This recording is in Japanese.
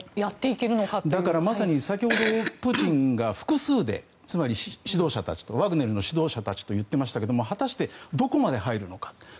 先ほど、プーチンが複数でつまり指導者たちとワグネルの指導者たちと言っていましたが果たしてどこまで入るのか。